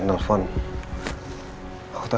nih ini dia